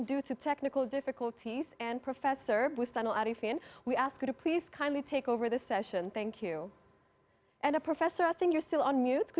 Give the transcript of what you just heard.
saya menggunakan data berdasarkan saya menggunakan data indeks berdasarkan transaksi yang dibuat oleh pang mandiri